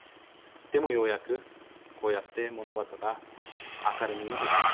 でもようやく、こうやって物事が明るみに出た。